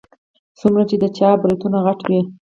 څومره چې د چا برېتونه غټ وي.